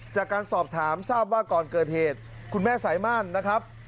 จากการสอบถามทราบว่าก่อนเกิดเหตุคุณแม่สายม่านนะครับ